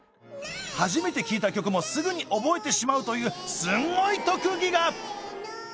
初めて聞いた曲もすぐに覚えてしまうというすんごい特技が！